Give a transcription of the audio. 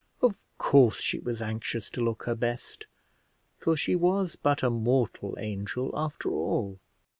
Of course she was anxious to look her best, for she was but a mortal angel after all.